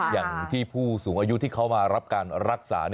อย่างที่ผู้สูงอายุที่เขามารับการรักษา